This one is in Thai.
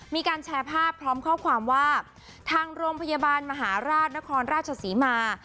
มีการแชร์ภาพพร้อมข้อความว่าทางโรงพยาบาลมหาราชนครราชศรีมา